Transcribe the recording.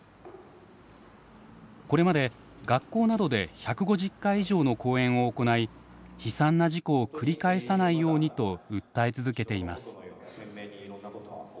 これまで学校などで１５０回以上の講演を行い悲惨な事故を繰り返さないようにと訴え続けています。